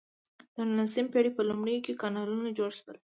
د نولسمې پیړۍ په لومړیو کې کانالونه جوړ شول.